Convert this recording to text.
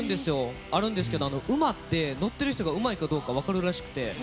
あるんですけど馬って乗っている人がうまいかどうか分かるらしくて。